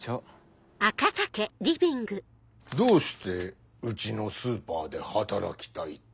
どうしてうちのスーパーで働きたいと？